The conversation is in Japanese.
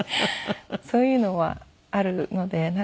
そういうのはあるので。